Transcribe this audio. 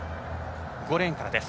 ５レーンからです。